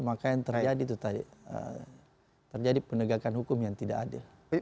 pandang bulu makanya terjadi penegakan hukum yang tidak adil